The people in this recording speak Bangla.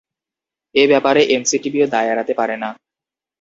এ ব্যাপারে এনসিটিবিও দায় এড়াতে পারে না।